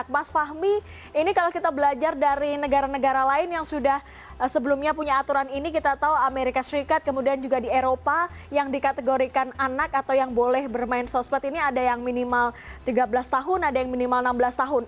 mas fahmi ini kalau kita belajar dari negara negara lain yang sudah sebelumnya punya aturan ini kita tahu amerika serikat kemudian juga di eropa yang dikategorikan anak atau yang boleh bermain sosmed ini ada yang minimal tiga belas tahun ada yang minimal enam belas tahun